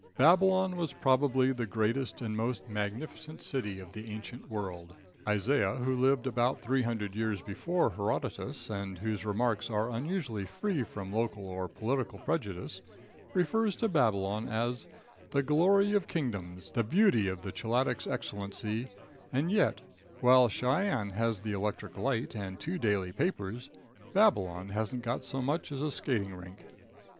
"Babylon was probably the largest and most magnificent city of the ancient world." Isaiah, who lived about 300 years before Herodotus, and whose remarks are unusually free from local or political prejudice, refers to Babylon as "the glory of kingdoms, the beauty of the Chaldic's excellency," and, yet, while Cheyenne has the electric light and two daily papers, Babylon hasn't got so much as a skating rink.